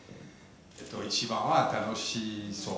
「一番は楽しそう」